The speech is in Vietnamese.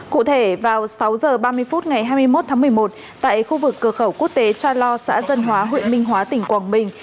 cụ thể vào sáu h ba mươi phút ngày hai mươi một tháng một mươi một tại khu vực cửa khẩu quốc tế cha lo xã dân hóa huyện minh hóa tỉnh quảng bình